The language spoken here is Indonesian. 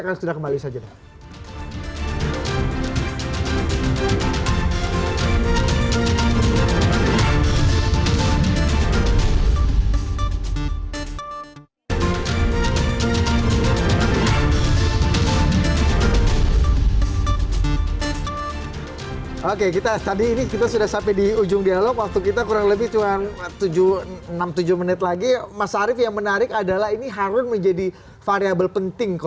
nah kalau ada oknum kalau ada orang